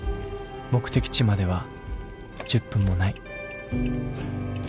目的地までは１０分もない。